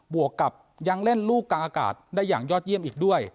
วกกับยังเล่นลูกกลางอากาศได้อย่างยอดเยี่ยมอีกด้วย